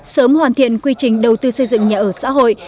sớm hoàn thiện quy trình đầu tư xây dựng nhà ở xã hội